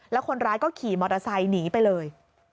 แล้วคนร้ายก็ขี่มอเตอร์ไซค์หนีไปเลย